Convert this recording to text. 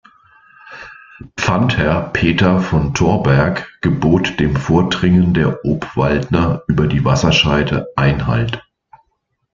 Pfandherr Peter von Thorberg gebot dem Vordringen der Obwaldner über die Wasserscheide Einhalt.